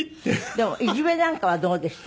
でもいじめなんかはどうでした？